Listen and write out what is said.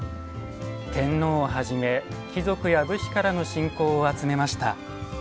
天皇をはじめ貴族や武士からの信仰を集めました。